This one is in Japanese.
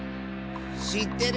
しってる！